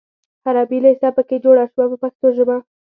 حربي لېسه په کې جوړه شوه په پښتو ژبه.